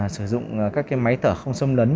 sử dụng các cái máy thở không sâm lấn